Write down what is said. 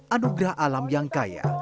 anugerah alam yang kaya